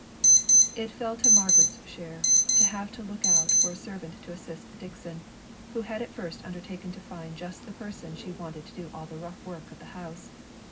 It fell to Margaret's share to have to look out for a servant to assist Dixon, who had at first undertaken to find just the person she wanted to do all the rough work of the house.